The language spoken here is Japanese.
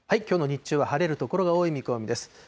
きょうの日中は晴れる所が多い見込みです。